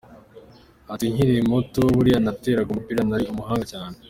Ati “Nkiri muto buriya nateraga umupira, nari umuhanga cyane.